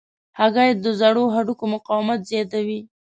هګۍ د زړو هډوکو مقاومت زیاتوي.